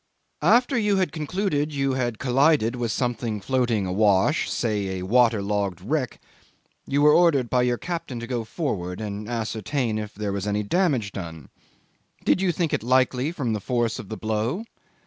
'After you had concluded you had collided with something floating awash, say a water logged wreck, you were ordered by your captain to go forward and ascertain if there was any damage done. Did you think it likely from the force of the blow?